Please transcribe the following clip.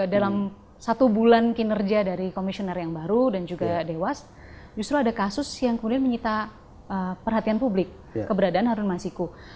dalam satu bulan kinerja dari komisioner yang baru dan juga dewas justru ada kasus yang kemudian menyita perhatian publik keberadaan harun masiku